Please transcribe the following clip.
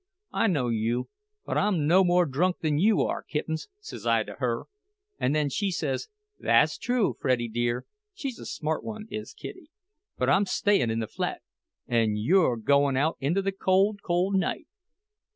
—I know you! But I'm no more drunk than you are, Kittens,' says I to her. And then says she, 'Thass true, Freddie dear' (she's a smart one, is Kitty), 'but I'm stayin' in the flat, an' you're goin' out into the cold, cold night!